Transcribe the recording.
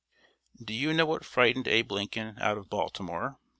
Do you know what frightened Abe Lincoln out of Baltimore?